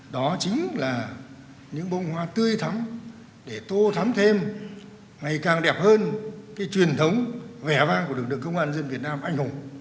đó chính là những bông hoa tươi thắm để tô thắm thêm ngày càng đẹp hơn cái truyền thống vẻ vang của lực lượng công an dân việt nam anh hùng